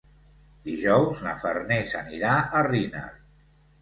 Dijous na Farners anirà a Riner.